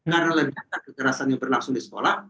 karena ledakan kekerasan yang berlangsung di sekolah